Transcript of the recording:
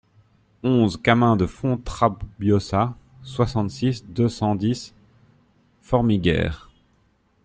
onze camin de Fontrabiosa, soixante-six, deux cent dix, Formiguères